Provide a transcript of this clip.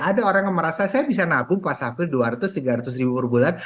ada orang yang merasa saya bisa nabung pas hafil dua ratus tiga ratus ribu per bulan